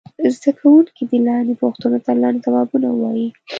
زده کوونکي دې لاندې پوښتنو ته لنډ ځوابونه ووایي.